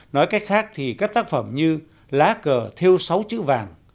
nói cách khác thì các tác phẩm như lá cờ theo sáu chữ vàng